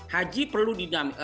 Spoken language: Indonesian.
haji perlu dinamis